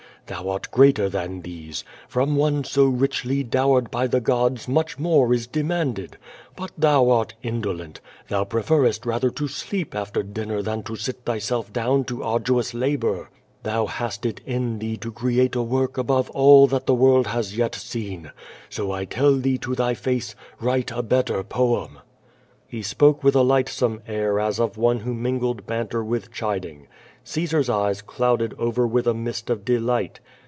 Thou art greater than these. From one so richly dowered by the gods much more is demanded. But thou art indolent. Thou preferrest rather to sleep after dinner than to sit thyself down to arduous labor. Thou hast it in thee to create a work above all that the world has yet seen. So I tell thee to thy face, write a better poem.^^ He spoke with a lightsome air as of one who mingled banter with chiding. Caesar's eyes clouded over with a mist of de light.